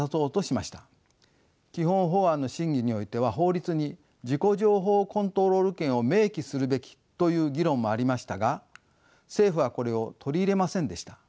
基本法案の審議においては法律に自己情報コントロール権を明記するべきという議論もありましたが政府はこれを取り入れませんでした。